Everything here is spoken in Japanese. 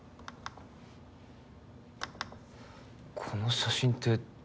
この写真って。